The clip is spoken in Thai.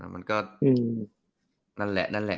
มันก็นั่นแหละ